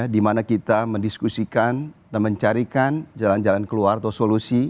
dimana kita mendiskusikan dan mencarikan jalan jalan keluar atau solusi